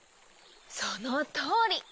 そのとおり。